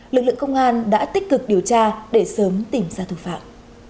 lực lượng công an đã tích cực điều tra để sớm tìm ra thủ phạm